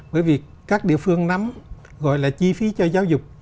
bởi vì các địa phương nắm gọi là chi phí cho giáo dục